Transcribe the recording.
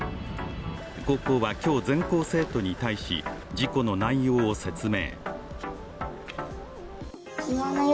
高校は今日、全校生徒に対し事故の内容を説明。